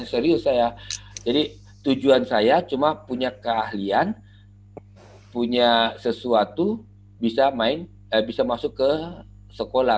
serius saya jadi tujuan saya cuma punya keahlian punya sesuatu bisa masuk ke sekolah